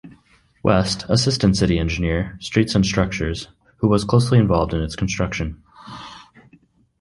West, Assistant City Engineer, Streets and Structures, who was closely involved in its construction.